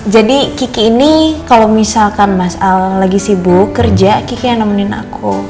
jadi kiki ini kalau misalkan mas al lagi sibuk kerja kiki yang nemenin aku